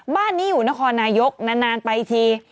บ้านนี้อยู่นครนายกนานไปที